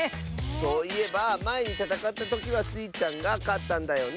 そういえばまえにたたかったときはスイちゃんがかったんだよね？